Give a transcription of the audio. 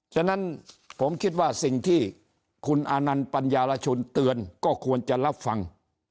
ฉะนั้นผมคิดว่าสิ่งที่คุณอานันต์ปัญญารชุนเตือนก็ควรจะรับฟัง